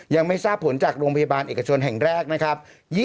ยังไม่ทราบผลจากโรงพยาบาลเอกชนแห่งแรกนะครับ